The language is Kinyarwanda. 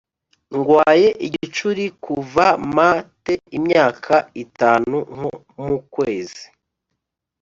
ndwaye igicuri kuva m te imyaka itanu nko mu kwezi